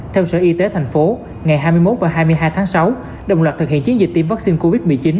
theo sở y tế thành phố ngày hai mươi một và hai mươi hai tháng sáu đồng loạt thực hiện chiến dịch tiêm vaccine covid một mươi chín